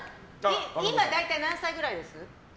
今、大体何歳くらいです？